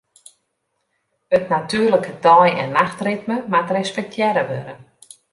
It natuerlike dei- en nachtritme moat respektearre wurde.